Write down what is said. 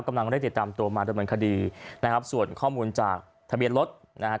กำลังได้ติดตามตัวมาดำเนินคดีนะครับส่วนข้อมูลจากทะเบียนรถนะฮะ